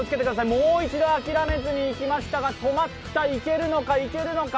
もう一度諦めずに行きましたが、止まった、行けるのか行けるのか？